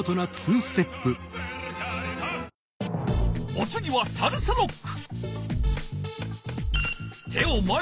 おつぎはサルサロック。